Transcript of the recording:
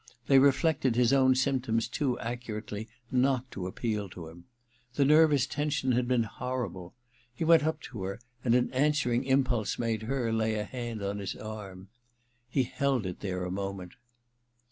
They reflected his own symptoms too accurately not to appeal to him. The nervous tension had been horrible. He went up to her, and an answering impulse made her lay a hand on his arm. rie held it there a moment.